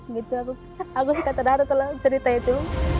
gitu aku suka terharu kalau cerita itu